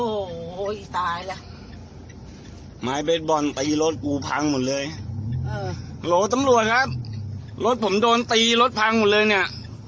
โอ้ไปไปไฟเขียวไม่ได้หลอกรถโดนตีขนาดนี้อ่า